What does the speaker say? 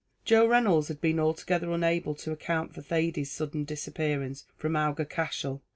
Joe Reynolds had been altogether unable to account for Thady's sudden disappearance from Aughacashel.